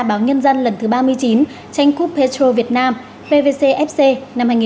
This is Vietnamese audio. báo nhân dân lần thứ ba mươi chín tranh cup petro việt nam pvcfc năm hai nghìn hai mươi một